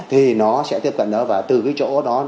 thì nó sẽ tiếp cận nó và từ cái chỗ đó